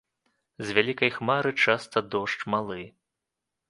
З вялікай хмары часта дождж малы.